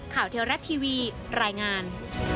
ข่าวเทวรัตน์ทีวีรายงาน